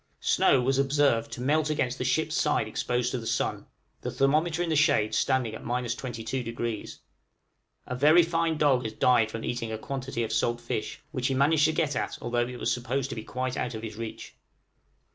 Snow was observed to melt against the ship's side exposed to the sun, the thermometer in the shade standing at 22°! A very fine dog has died from eating a quantity of salt fish, which he managed to get at although it was supposed to be quite out of his reach.